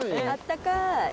あったかい！